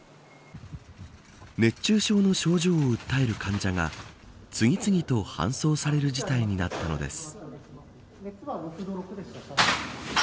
熱中症の症状を訴える患者が次々と搬送される事態になったのです。